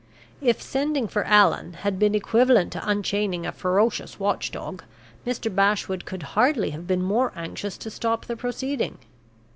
If sending for Allan had been equivalent to unchaining a ferocious watch dog, Mr. Bashwood could hardly have been more anxious to stop the proceeding.